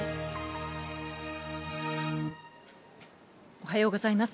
おはようございます。